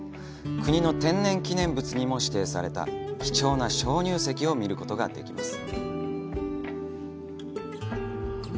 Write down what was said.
国の天然記念物にも指定された貴重な鍾乳石を見ることができます。